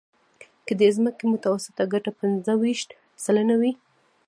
که د دې ځمکې متوسطه ګټه پنځه ویشت سلنه وي